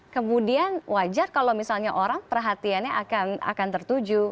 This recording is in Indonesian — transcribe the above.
kemudian wajar kalau misalnya orang perhatiannya akan tertuju